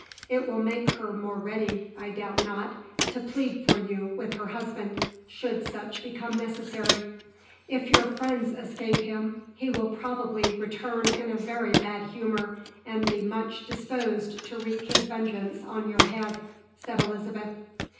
It will make her more ready, I doubt not, to plead for you with her husband, should such become necessary. If your friends escape him, he will probably return in a very bad humour, and be much disposed to wreak his vengeance on your head," said Elizabeth.